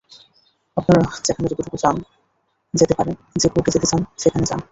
আপনারা যেখানে যতুটুকু যেতে চান যেতে পারেন, যে কোর্টে যেতে চান সেখানে যান।